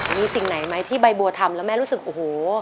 มีสิ่งไหนไหมที่ใบบัวทำแล้วแม่รู้สึกโอ้โห